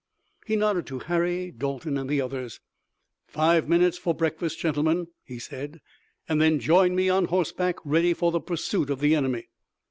He nodded to Harry, Dalton and the others. "Five minutes for breakfast, gentlemen," he said, "and then join me on horseback, ready for the pursuit of the enemy!"